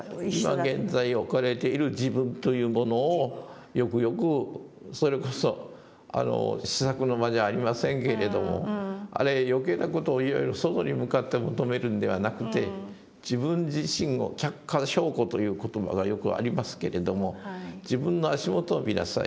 今現在置かれている自分というものをよくよくそれこそ思索の間じゃありませんけれどもあれ余計な事をいろいろ外に向かって求めるんではなくて自分自身を「脚下照顧」という言葉がよくありますけれども自分の足元を見なさい。